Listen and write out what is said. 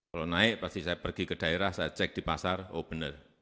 kalau naik pasti saya pergi ke daerah saya cek di pasar oh benar